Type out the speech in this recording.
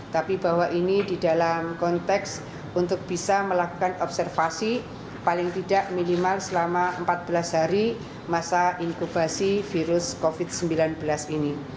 tapi bahwa ini di dalam konteks untuk bisa melakukan observasi paling tidak minimal selama empat belas hari masa inkubasi virus covid sembilan belas ini